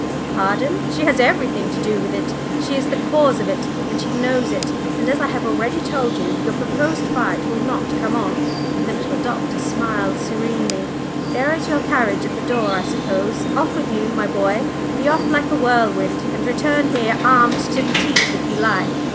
"Pardon! She has everything to do with it. She is the cause of it and she knows it. And as I have already told you, your proposed fight will not come off." And the little Doctor smiled serenely. "There is your carriage at the door, I suppose. Off with you, my boy! be off like a whirlwind, and return here armed to the teeth if you like!